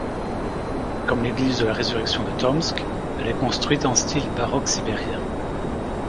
Comme l'église de la Résurrection de Tomsk, elle est construite en style baroque sibérien.